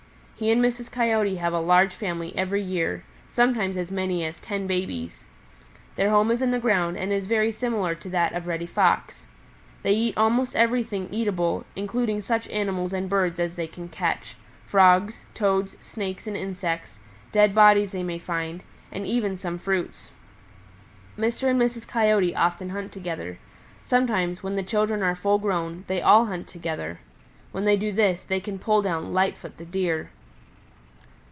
He and Mrs. Coyote have a large family every year, sometimes as many as ten babies. Their home is in the ground and is very similar to that of Reddy Fox. They eat almost everything eatable, including such animals and birds as they can catch, Frogs, Toads, Snakes and insects, dead bodies they may find, and even some fruits. Mr. and Mrs. Coyote often hunt together. Sometimes, when the children are full grown, they all hunt together. When they do this they can pull down Lightfoot the Deer.